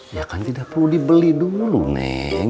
ya kan tidak perlu dibeli dulu neng